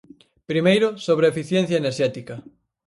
Primeiro, sobre a eficiencia enerxética.